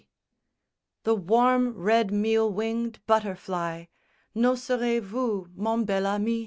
_ IV The warm red meal winged butterfly, _N'oserez vous, mon bel ami?